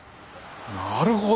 なるほど！